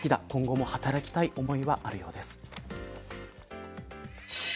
今後も働きたい思いはあるようです。